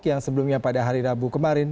yang sebelumnya pada hari rabu kemarin